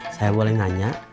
saya boleh nanya